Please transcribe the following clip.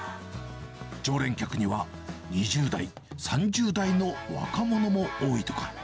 常連客には２０代、３０代の若者も多いとか。